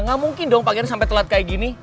gak mungkin dong pangeran sampai telat kayak gini